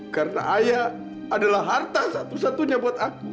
karena ayah adalah harta satu satunya buat aku